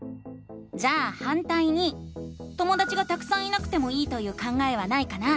じゃあ「反対に」ともだちがたくさんいなくてもいいという考えはないかな？